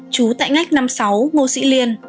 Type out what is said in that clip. chú tại ngách năm mươi sáu ngô sĩ liên